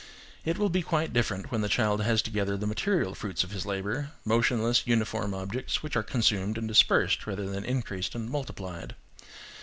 It will be quite different when the child has to gather the material fruits of his labour: motionless, uniform objects, which are consumed and dispersed rather than increased and multiplied.